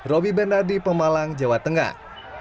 roby benardi pemalang jawa tengah